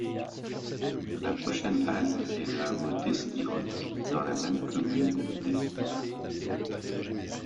La prochaine halte est le hameau d'Ezkirotz dans la même commune d'Esteribar.